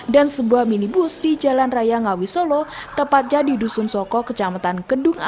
dan sebuah minibus di jalan raya ngawi solo tepatnya di dusun soko kecamatan kedung alar